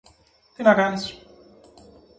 Τι να κάνεις;